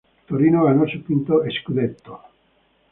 Torino ganó su quinto "scudetto".